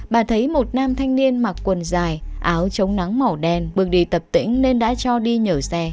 bà thấy một nam thanh niên mặc quần dài áo chống nắng màu đen bước đi tập tỉnh nên đã cho điện